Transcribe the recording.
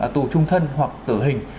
tù trung thân hoặc tử hình